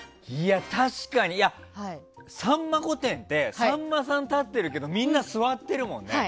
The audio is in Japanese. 確かに「さんま御殿！！」ってさんまさん立ってるけどみんな座っているもんね。